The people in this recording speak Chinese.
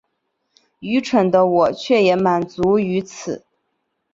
愚蠢的我却也满足於此